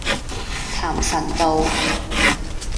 譚臣道